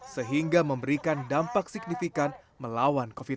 sehingga memberikan dampak signifikan melawan covid sembilan belas